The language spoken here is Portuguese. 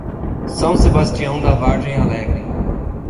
São Sebastião da Vargem Alegre